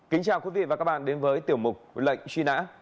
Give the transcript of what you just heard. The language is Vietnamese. kính chào quý vị và các bạn đến với tiểu mục lệnh truy nã